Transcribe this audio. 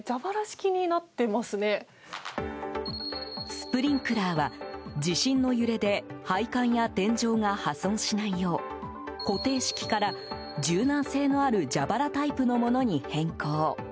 スプリンクラーは地震の揺れで配管や天井が破損しないよう固定式から柔軟性のある蛇腹タイプのものに変更。